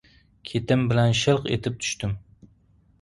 Ketim bilan shilq etib tushdim...